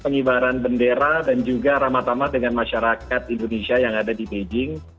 penyebaran bendera dan juga ramadhamat dengan masyarakat indonesia yang ada di beijing